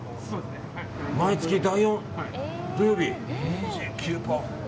毎月第４土曜日２９％オフ。